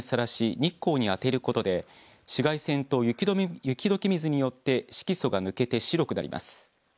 日光に当てることで紫外線と雪どけ水によって色素が抜けて白くなります。